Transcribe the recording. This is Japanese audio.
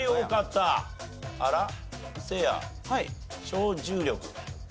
超重力？